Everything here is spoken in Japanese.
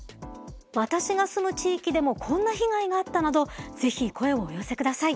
私が住む地域でもこんな被害があったなど是非声をお寄せください。